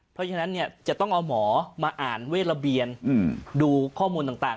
เพราะฉะนั้นจะต้องเอาหมอมาอ่านเวทระเบียนดูข้อมูลต่าง